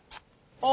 あ！